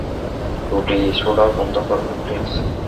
রুটি ছোঁড়া বন্ধ করবে প্লিজ?